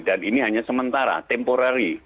dan ini hanya sementara